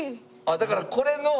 だからこれの。